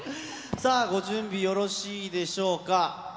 さあ、ご準備よろしいでしょうか。